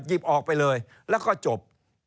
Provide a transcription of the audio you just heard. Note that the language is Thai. ออกไปเลยแล้วก็จบ